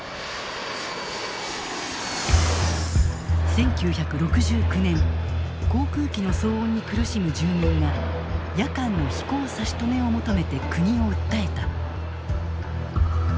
１９６９年航空機の騒音に苦しむ住民が夜間の飛行差し止めを求めて国を訴えた。